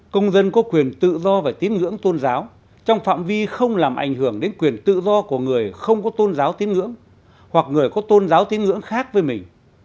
công dân có quyền tự do và tín ngưỡng tôn giáo trong phạm vi không làm ảnh hưởng đến quyền tự do của người không có tôn giáo tín ngưỡng hoặc người có tôn giáo tiếng ngưỡng khác với mình